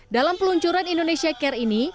dalam peluncuran indonesia care ini